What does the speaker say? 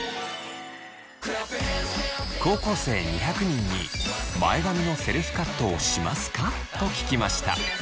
高校生２００人に「前髪のセルフカットをしますか？」と聞きました。